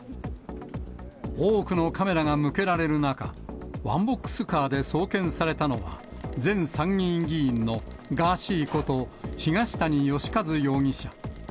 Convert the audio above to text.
多くのカメラが向けられる中、ワンボックスカーで送検されたのは、前参議院議員のガーシーこと、東谷義和容疑者。